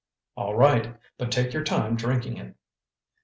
"All right, but take your time drinking it."